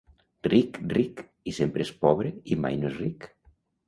Ric, ric! I sempre és pobre i mai no és ric.